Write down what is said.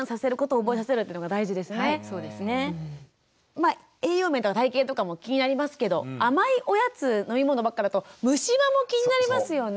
まあ栄養面とか体型とかも気になりますけど甘いおやつ飲み物ばっかだと虫歯も気になりますよね。